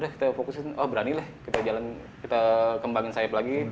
kita fokusin oh berani lah kita kembangin sahib lagi